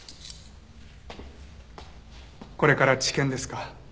これから地検ですか？